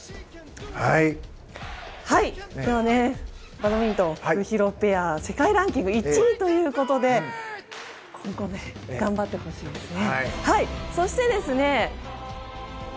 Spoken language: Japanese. バドミントンフクヒロペア世界ランキング１位ということで今後、頑張ってほしいですね。